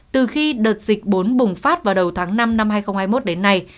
từ khi đợt dịch bốn bùng phát vào đầu tháng năm năm hai nghìn hai mươi một đến nay